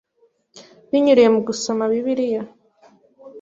binyuriye mu gusoma Bibiliya